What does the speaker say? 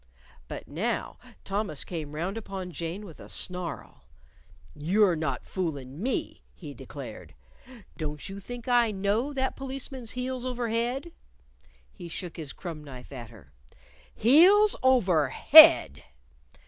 But now Thomas came round upon Jane with a snarl. "You're not foolin' me," he declared. "Don't you think I know that policeman's heels over head?" He shook his crumb knife at her. "_Heels over head!